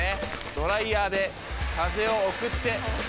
ドライヤーで風を送って